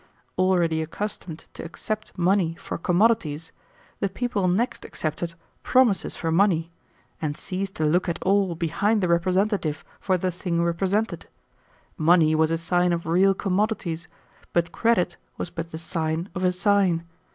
Already accustomed to accept money for commodities, the people next accepted promises for money, and ceased to look at all behind the representative for the thing represented. Money was a sign of real commodities, but credit was but the sign of a sign.